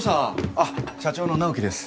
あっ社長の直樹です。